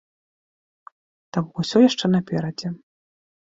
Таму ўсё яшчэ наперадзе!